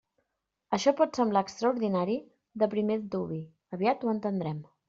Això pot semblar extraordinari de primer antuvi; aviat ho entendrem.